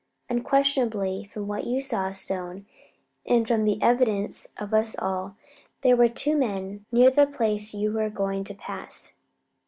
Unquestionably, from what you saw, Stone, and from the evidence of us all, there were two men near the place you were going to pass.